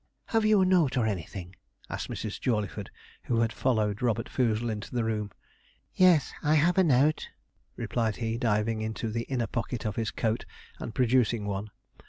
'Have you any note, or anything?' asked Mrs. Jawleyford, who had followed Robert Foozle into the room. 'Yes, I have a note,' replied he, diving into the inner pocket of his coat, and producing one.